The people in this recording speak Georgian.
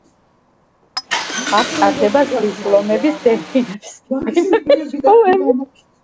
აქ ტარდება ზღვის ლომების, დელფინების, პინგვინების შოუები.